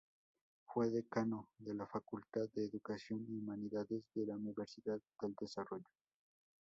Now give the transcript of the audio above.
Fue decano de la Facultad de Educación y Humanidades de la Universidad del Desarrollo.